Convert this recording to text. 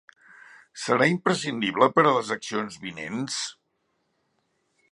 Serà imprescindible per a les accions vinents?